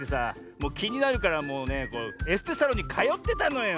もうきになるからもうねエステサロンにかよってたのよ。